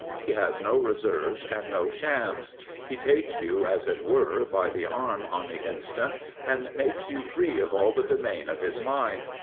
He has no reserves and no shams. He takes you, as it were, by the arm on the instant, and makes you free of all the domain of his mind.